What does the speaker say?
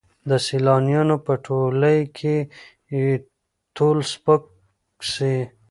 د سیالانو په ټولۍ کي یې تول سپک سي